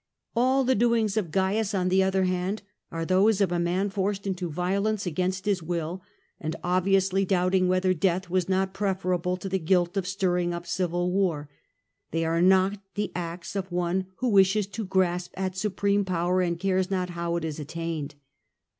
All the doings of Cains, on the other hand, are those of a man forced into violence against his will, and obviously doubting whether death was not preferable to the guilt of stirring up civil war. They are not the acts of one who wishes to grasp at supreme power and cares not how it is attained.